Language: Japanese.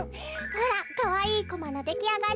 ほらかわいいコマのできあがり。